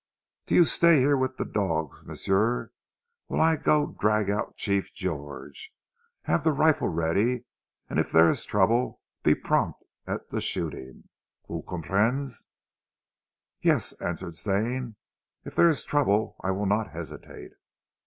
"Do you stay here with zee dogs, m'sieu, whilst I go drag out Chief George. Have zee rifle ready; an' eef dere is trouble, be prompt at zee shootin'. Vous comprenez?" "Yes," answered Stane, "if there is trouble I will not hesitate."